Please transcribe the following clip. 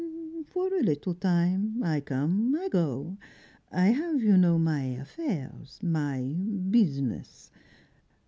"For a little time; I come, I go. I have, you know, my affairs, my business.